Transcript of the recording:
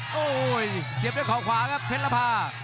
โอ้โหเสียบด้วยเขาขวาครับเพชรภา